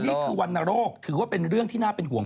นี่คือวรรณโรคถือว่าเป็นเรื่องที่น่าเป็นห่วง